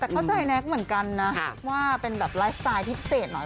แต่เข้าใจแน็กเหมือนกันนะว่าเป็นแบบไลฟ์สไตล์พิเศษหน่อย